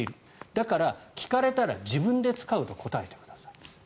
だから、聞かれたら自分で使うと答えてくださいと。